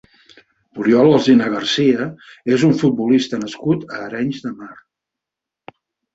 Oriol Alsina Garcia és un futbolista nascut a Arenys de Mar.